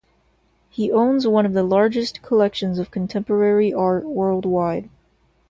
He owns one of the largest collections of contemporary art worldwide.